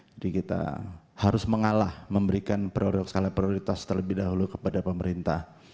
jadi kita harus mengalah memberikan skala prioritas terlebih dahulu kepada pemerintah